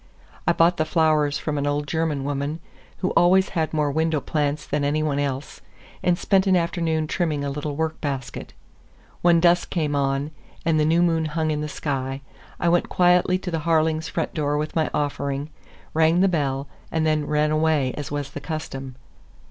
I bought the flowers from an old German woman who always had more window plants than any one else, and spent an afternoon trimming a little work basket. When dusk came on, and the new moon hung in the sky, I went quietly to the Harlings' front door with my offering, rang the bell, and then ran away as was the custom.